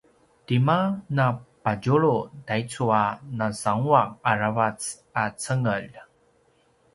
tima napadjulu taicu a nasanguaq aravac a cengelj?